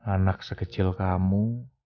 anak sekecil kamu